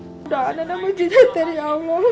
udahanan sama cinta terima